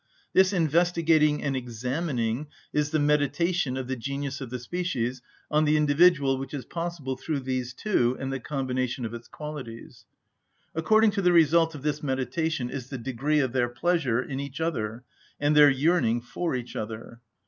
This investigating and examining is the meditation of the genius of the species on the individual which is possible through these two and the combination of its qualities. According to the result of this meditation is the degree of their pleasure in each other and their yearning for each other.